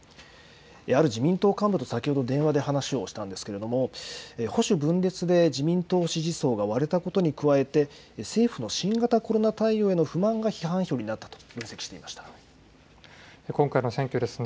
ある自民党幹部と先ほど電話で話をしたんですけれども保守分裂で自民党支持層が割れたことに加えて政府の新型コロナ対応への不満が批判票になったと今回の選挙ですね